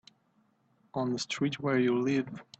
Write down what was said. On the street where you live.